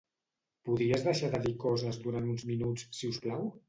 Podries deixar de dir coses durant uns minuts, si us plau?